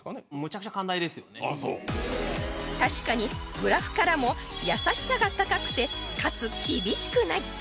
確かにグラフからも優しさが高くてかつ厳しくない